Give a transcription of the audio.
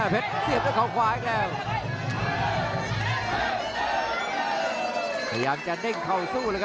เพชรเสียบกับเข้าขวาอีกแล้ว